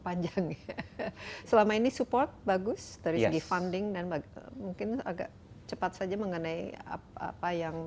panjang ya selama ini support bagus dari segi funding dan mungkin agak cepat saja mengenai apa apa yang